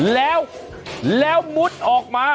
แล้วแล้วหมุดออกมา